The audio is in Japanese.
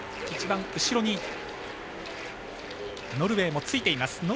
一番後ろにノルウェーがついています。